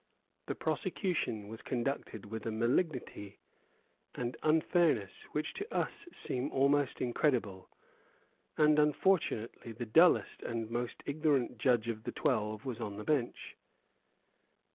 The prosecution was conducted with a malignity and unfairness which to us seem almost incredible; and, unfortunately, the dullest and most ignorant judge of the twelve was on the bench.